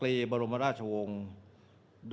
เวรบัติสุภิกษ์